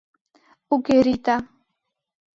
Уке, Рита.